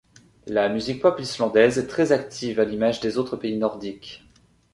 La musique pop islandaise est très active à l'image des autres pays nordiques.